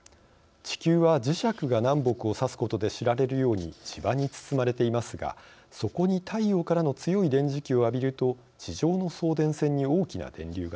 地球は磁石が南北を指すことで知られるように磁場に包まれていますがそこに太陽からの強い電磁気を浴びると地上の送電線に大きな電流が流れ